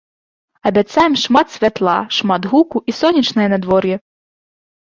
Абяцаем шмат святла, шмат гуку і сонечнае надвор'е!